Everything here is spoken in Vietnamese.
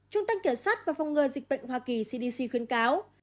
trung tâm kiểm soát và phòng ngừa dịch bệnh hoa kỳ cdc khuyến cáo